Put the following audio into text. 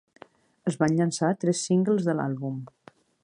Es van llançar tres singles de l'àlbum.